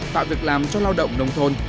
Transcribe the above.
tạo việc làm cho lao động nông thôn